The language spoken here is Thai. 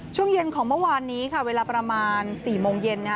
ช่วงเย็นของเมื่อวานนี้ค่ะเวลาประมาณ๔โมงเย็นนะคะ